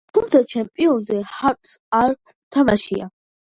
თუმცა, ჩემპიონატზე ჰარტს არ უთამაშია.